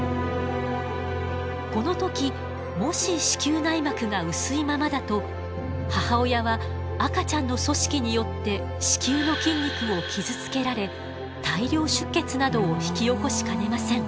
この時もし子宮内膜が薄いままだと母親は赤ちゃんの組織によって子宮の筋肉を傷つけられ大量出血などを引き起こしかねません。